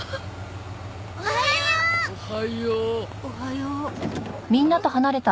おはよう。